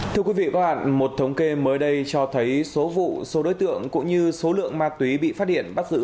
thưa quý vị một thống kê mới đây cho thấy số vụ số đối tượng cũng như số lượng ma túy bị phát hiện bắt giữ